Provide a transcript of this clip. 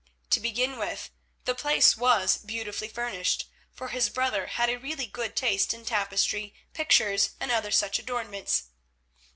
To begin with, the place was beautifully furnished, for his brother had a really good taste in tapestry, pictures, and other such adornments.